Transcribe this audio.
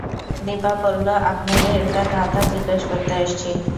দিপা বলল, আপনেরে একটা ধাঁধা জিজ্ঞেস করতে আসছি।